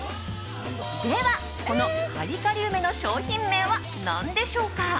では、このカリカリ梅の商品名は何でしょうか？